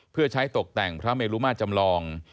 เพื่อใช้ตกแต่งพระเมลุมาตรจำลอง